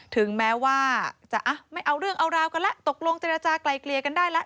ถึงแม้ว่าจะไม่เอาเรื่องเอาราวกันแล้วตกลงเจรจากลายเกลี่ยกันได้แล้ว